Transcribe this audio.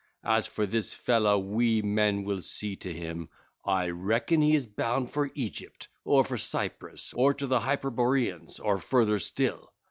As for this fellow we men will see to him: I reckon he is bound for Egypt or for Cyprus or to the Hyperboreans or further still.